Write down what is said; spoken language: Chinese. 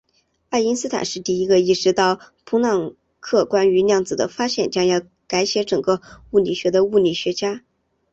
爱因斯坦是第一个意识到普朗克关于量子的发现将要改写整个物理学的物理学家。